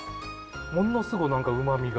ものすごい何かうまみが。